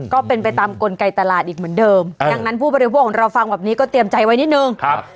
ก็เป็นไปตามกลไกตลาดอีกเหมือนเดิมดังนั้นผู้บริโภคของเราฟังแบบนี้ก็เตรียมใจไว้นิดนึงครับ